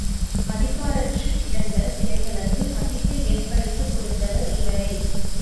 மதிப்பாரற்றுக் கிடந்த சிலைகளுக்கு மதிப்பை ஏற்படுத்திக் கொடுத்தவர் இவரே.